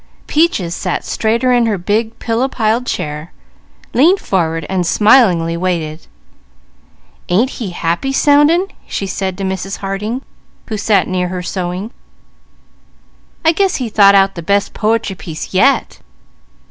Peaches sat straighter in her big pillow piled chair, leaned forward, and smilingly waited. "Ain't he happy soundin'?" she said to Mrs. Harding, who sat near her sewing. "I guess he has thought out the best po'try piece yet.